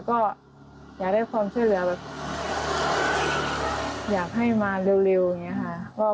ก็อยากได้ความช่วยเหลือแบบอยากให้มาเร็วอย่างนี้ค่ะ